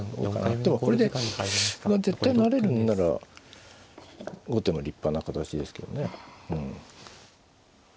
でもこれで歩が絶対成れるんなら後手も立派な形ですけどね。